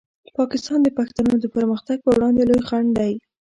پاکستان د پښتنو د پرمختګ په وړاندې لوی خنډ دی.